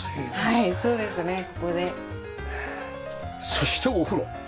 そしてお風呂。